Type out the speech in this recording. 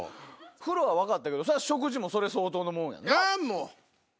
風呂は分かったけど食事もそれ相当のもんやな。